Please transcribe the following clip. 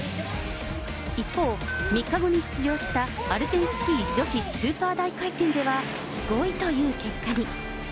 一方、３日後に出場したアルペンスキー女子スーパー大回転では５位という結果に。